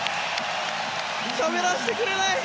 しゃべらせてくれない。